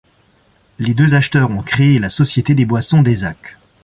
Les deux acheteurs ont créé la Société des Boissons d'Aizac.